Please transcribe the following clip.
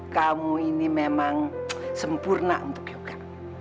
kamu ini memang sempurna untuk yoga